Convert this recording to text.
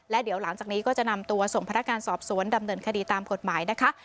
และเดี๋ยวหลังจากนี้ก็จะนำตัวส่งพนักงานสอบสวนดำเนินคดีตามกฎหมายนะคะ